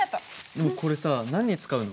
でもこれさ何に使うの？